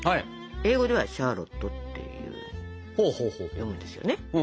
英語では「シャーロット」っていうんですよね。